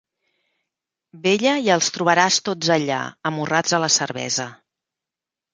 Vella i els trobaràs tots allà, amorrats a la cervesa.